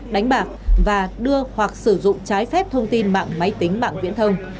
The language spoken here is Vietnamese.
đánh bạc và đưa hoặc sử dụng trái phép thông tin mạng máy tính mạng viễn thông